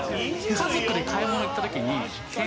家族で買い物行ったときに。